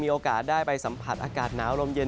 มีโอกาสได้ไปสัมผัสอากาศหนาวลมเย็น